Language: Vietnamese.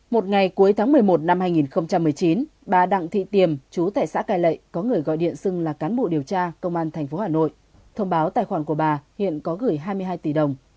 một ngày cuối tháng một mươi một năm hai nghìn một mươi chín bà đặng thị tiềm chú tại xã cài lệ có người gọi điện xưng là cán bộ điều tra công an tp hà nội thông báo tài khoản của bà hiện có gửi hai mươi hai tỷ đồng